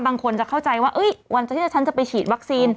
บางคนจะเข้าใจว่าวันที่ฉันจะไปฉีดวัคซีน